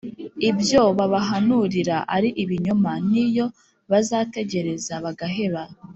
Ibyo babahanurira ari ibinyoma niyo bazategereza bagaheba